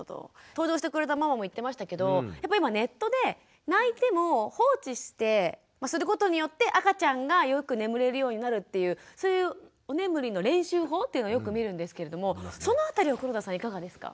登場してくれたママも言ってましたけどやっぱ今ネットで泣いても放置することによって赤ちゃんがよく眠れるようになるというそういうお眠りの練習法というのをよく見るんですけれどもその辺りは黒田さんいかがですか？